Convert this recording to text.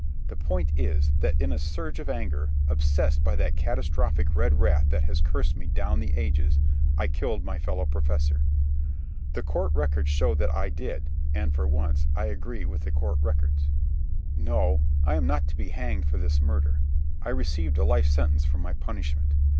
The point is, that in a surge of anger, obsessed by that catastrophic red wrath that has cursed me down the ages, I killed my fellow professor. The court records show that I did; and, for once, I agree with the court records. No; I am not to be hanged for his murder. I received a life sentence for my punishment.